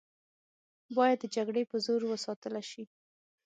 باید د جګړې په زور وساتله شي.